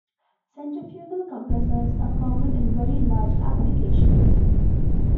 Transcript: Centrifugal compressors are common in very large applications.